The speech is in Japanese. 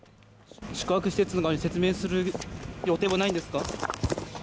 宿泊施設に説明する予定はないんですか？